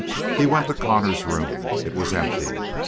He went to Connor's room, it was empty.